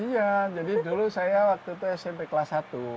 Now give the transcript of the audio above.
iya jadi dulu saya waktu itu smp kelas satu